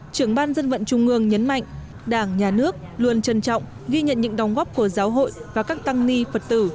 trưởng ban dân vận trung ương nhấn mạnh đảng nhà nước luôn trân trọng ghi nhận những đóng góp của giáo hội và các tăng ni phật tử